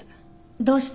どうして？